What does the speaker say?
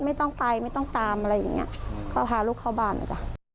ไม่ต้องไปไม่ต้องตามอะไรอย่างเงี้ยก็พาลูกเข้าบ้านนะจ๊ะ